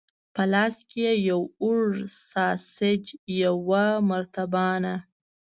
په لاس کې یې یو اوږد ساسیج، یوه مرتبانه.